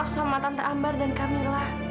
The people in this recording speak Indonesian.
sama tante ambar dan kamila